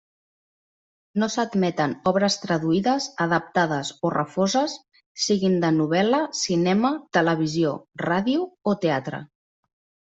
No s'admeten obres traduïdes, adaptades o refoses, siguen de novel·la, cinema, televisió, ràdio o teatre.